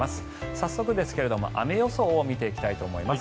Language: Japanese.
早速ですけれど雨予想を見ていきたいと思います。